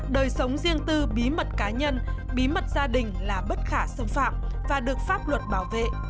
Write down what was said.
đời sống riêng tư bí mật cá nhân bí mật gia đình là bất khả xâm phạm và được pháp luật bảo vệ